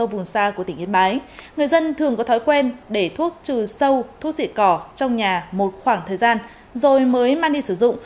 vùng xa của tỉnh yên bái người dân thường có thói quen để thuốc trừ sâu thuốc diệt cỏ trong nhà một khoảng thời gian rồi mới mang đi sử dụng